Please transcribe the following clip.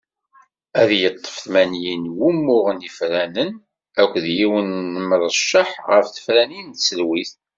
Ad yeṭṭef tmanyin n wumuɣen ifranen akked yiwen n yimrecceḥ ɣer tefranin n tselwit.